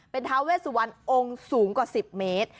เป็นท้าเวสุวรรณองค์สูงกว่าสิบเมตร